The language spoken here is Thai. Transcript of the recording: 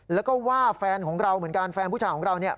แล้วก็ว่าแฟนของเราเหมือนกันแฟนผู้ชายของเรา